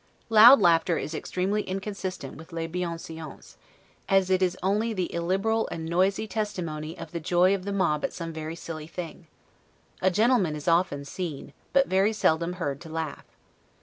Loud laughter is extremely inconsistent with 'les bienseances', as it is only the illiberal and noisy testimony of the joy of the mob at some very silly thing. A gentleman is often seen, but very seldom heard to laugh.